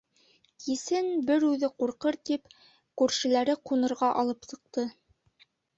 Кисен, бер үҙе ҡурҡыр тип, күршеләре ҡунырға алып сыҡты.